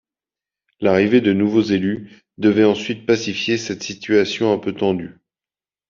L'arrivée de nouveaux élus devait ensuite pacifier cette situation un peu tendue.